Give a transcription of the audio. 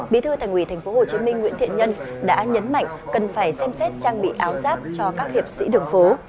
bí thư thành ủy tp hcm nguyễn thiện nhân đã nhấn mạnh cần phải xem xét trang bị áo giáp cho các hiệp sĩ đường phố